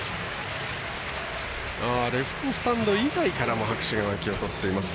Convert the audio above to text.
レフトスタンド以外からも拍手が沸き起こりました。